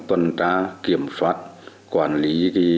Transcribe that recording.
tuần tra kiểm soát quản lý